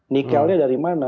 nikelnya dari mana